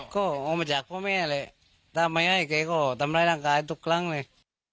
ก็เอามาจากพ่อแม่แหละถ้าไม่ให้แกก็ทำร้ายร่างกายทุกครั้งเลย